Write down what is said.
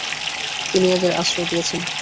তিনি এঁদের আশ্রয় দিয়েছেন।